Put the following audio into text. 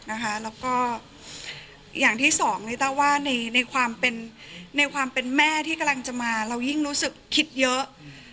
แล้วก็อย่างที่สองในความเป็นแม่ที่กำลังจะมาเรายิ่งรู้สึกคิดเยอะ